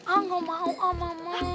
engga mau ah mama